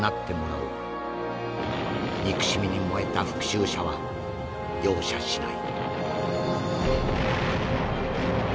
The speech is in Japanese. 憎しみに燃えた復讐者は容赦しない」。